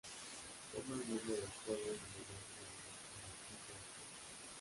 Toma el nombre del Coro en homenaje a la imagen del Cristo del Coro.